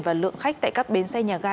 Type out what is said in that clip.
và lượng khách tại các bến xe nhà ga